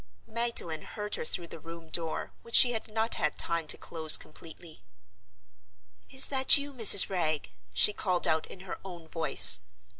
Magdalen heard her through the room door, which she had not had time to close completely. "Is that you, Mrs. Wragge?" she called out in her own voice.